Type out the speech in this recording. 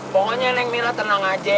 pokoknya neng mirak tenang aja ya